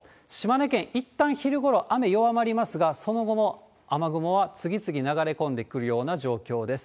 このあと朝９時以降動かしますと、島根県、いったん昼ごろ雨弱まりますが、その後も雨雲は次々流れ込んでくるような状況です。